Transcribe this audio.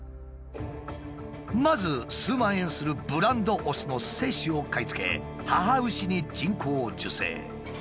まず数万円するブランドオスの精子を買い付け母牛に人工授精。